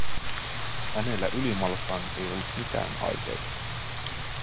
Hänellä ylimalkaan ei ollut mitään aikeita.